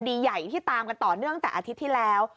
คดีใหญ่ที่ตามกันต่อเนื่องแต่อาทิตย์ที่แล้ว